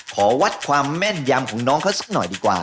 ขอวัดความแม่นยำของน้องเขาสักหน่อยดีกว่า